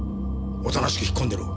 おとなしく引っ込んでろ。